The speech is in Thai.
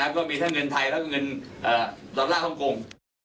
ก็มีทั้งเงินไทยแล้วก็เงินดอลลาร์ฮ่องกง